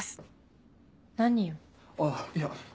あっいや